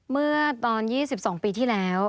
เมื่อตอน๒๒ปีที่แล้ว